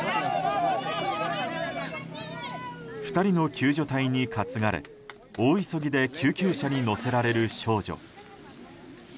２人の救助隊に担がれ、大急ぎで救急車に乗せられる少女。